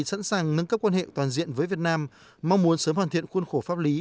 sẵn sàng nâng cấp quan hệ toàn diện với việt nam mong muốn sớm hoàn thiện khuôn khổ pháp lý